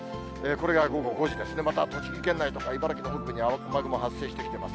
これが午後５時ですね、また栃木県内とか茨城の北部に雨雲発生してきています。